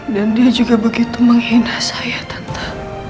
dan dia juga begitu menghina saya tante